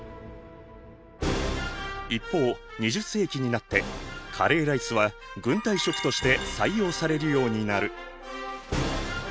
一方２０世紀になってカレーライスは軍隊食として採用されるようになる。